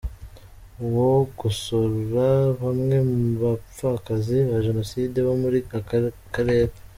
wo gusura bamwe mu bapfakazi ba Jenoside bo muri aka karere.